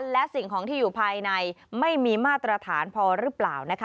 และสิ่งของที่อยู่ภายในไม่มีมาตรฐานพอหรือเปล่านะคะ